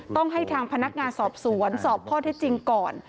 ต้องให้ทางพนักงานสอบสวนสอบข้อเท็จจริงก่อน